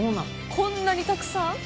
こんなにたくさん？